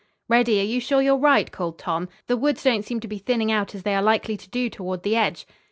"Reddy, are you sure you're right?" called Tom. "The woods don't seem to be thinning out as they are likely to do toward the edge."